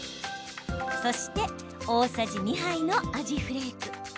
そして大さじ２杯のアジフレーク。